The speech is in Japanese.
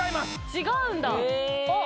違うんだあっ